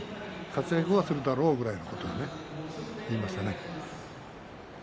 活躍はするだろうということは言いましたね。